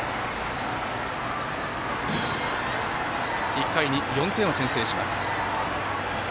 １回に４点を先制します。